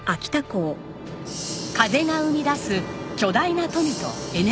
風が生み出す巨大な富とエネルギー。